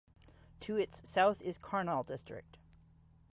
To its south is Karnal district.